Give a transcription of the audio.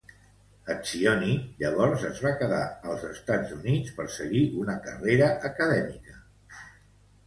Etzioni, llavors es va quedar als Estats Units per seguir una carrera acadèmica.